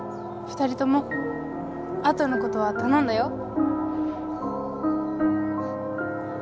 ２人ともあとのことはたのんだよ。